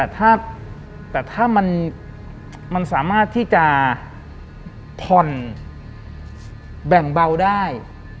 แต่ถ้ามันสามารถที่จะผ่อนแบ่งเบาได้